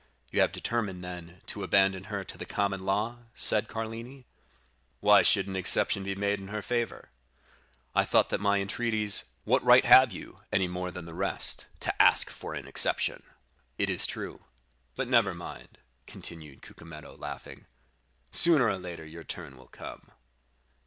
"'You have determined, then, to abandon her to the common law?' said Carlini. "'Why should an exception be made in her favor?' "'I thought that my entreaties——' "'What right have you, any more than the rest, to ask for an exception?' "'It is true.' "'But never mind,' continued Cucumetto, laughing, 'sooner or later your turn will come.